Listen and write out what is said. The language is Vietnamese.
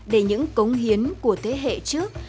để những cống hiến của thế hệ trước